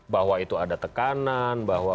bahwa itu ada tekanan bahwa